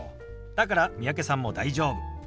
だから三宅さんも大丈夫。